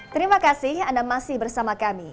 terima kasih anda masih bersama kami